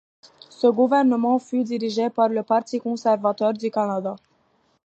Ce gouvernement fut dirigé par le Parti conservateur du Canada.